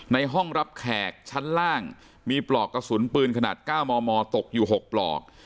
ในห้องรับแขกชั้นล่างมีปลอกกระสุนปืนขนาด๙มมตกอยู่๖ปลอก